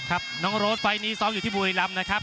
ครับน้องโรสไฟล์นี้ซ้อมอยู่ที่บุรีรำนะครับ